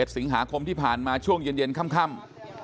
สิงหาคมที่ผ่านมาช่วงเย็นค่ำ